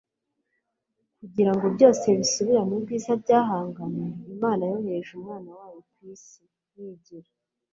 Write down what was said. kugira ngo byose bisubirane ubwiza byahanganywe, imana yohereje umwana wayo ku isi. yigira